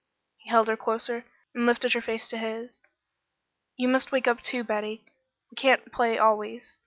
He held her closer and lifted her face to his. "You must wake up, too, Betty; we can't play always.